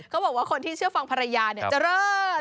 เขาบอกว่าคนที่เชื่อฟังภรรยาจะเลิศ